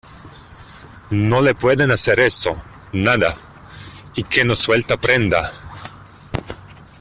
no le pueden hacer eso. nada, y que no suelta prenda .